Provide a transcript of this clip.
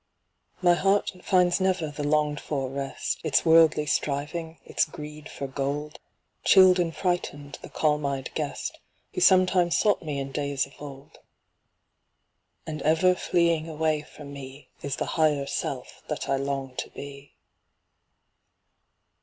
My heart finds never the longed for rest; Its worldly striving, its greed for gold, Chilled and frightened the calm eyed guest, Who sometimes sought me in days of old; And ever fleeing away from me Is the higher self that I long to be.